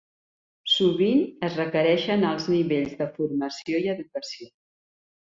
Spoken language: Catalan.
Sovint es requereixen alts nivells de formació i educació.